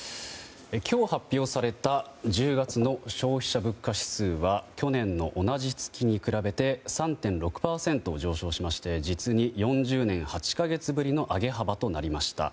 今日、発表された１０月の消費者物価指数は去年の同じ月に比べて３．６％上昇しまして実に４０年８か月ぶりの上げ幅となりました。